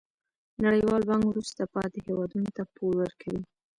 نړیوال بانک وروسته پاتې هیوادونو ته پور ورکوي.